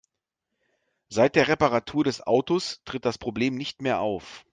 Seit der Reparatur des Autos tritt das Problem nicht mehr auf.